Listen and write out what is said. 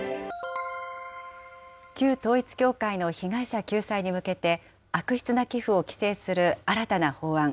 旧統一教会の被害者救済に向けて、悪質な寄付を規制する新たな法案。